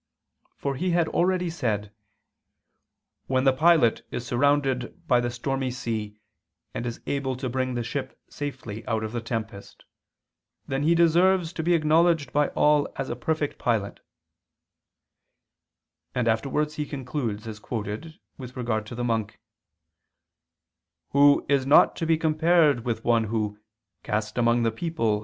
For he had already said: "When the pilot is surrounded by the stormy sea and is able to bring the ship safely out of the tempest, then he deserves to be acknowledged by all as a perfect pilot"; and afterwards he concludes, as quoted, with regard to the monk, "who is not to be compared with one who, cast among the people